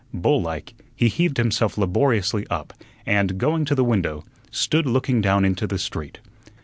Bull like, he heaved himself laboriously up, and, going to the window, stood looking down into the street.